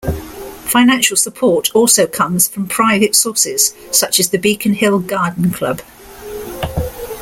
Financial support also comes from private sources such as the Beacon Hill Garden Club.